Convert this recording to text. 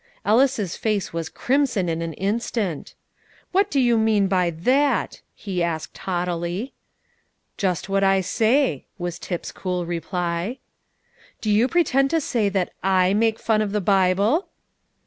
Ellis's face was crimson in an instant. "What do you mean by that?" he asked haughtily. "Just what I say," was Tip's cool reply. "Do you pretend to say that I make fun of the Bible?"